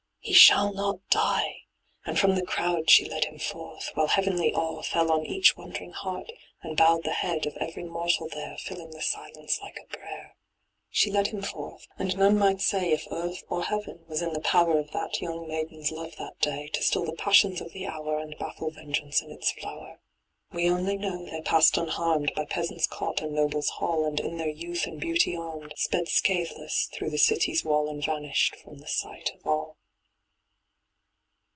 He shall not die ! and from the crowd She led him forth, while heavenly awe Fell on each wondering heart, and bowed The head of every mortal there, Filling the silence like a prayer. She led him forth, and none might say If earth or Heaven was in the power Of that young maiden's love that day, To still the passions of the hour And baffle vengeance in its flower. We only know they passed unharmed By peasant's cot and noble's hall. And, in their youth and beauty armed. Sped scathless through the city's wall And vanished from the sight of all.